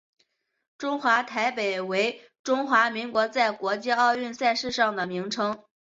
中华台北为中华民国在国际奥运赛事的名称。